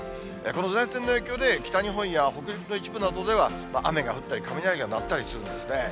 この前線の影響で、北日本や北陸の一部などでは、雨が降ったり雷が鳴ったりするんですね。